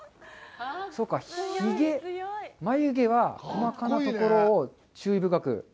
そうか、ひげ眉毛は細かなところを注意深く。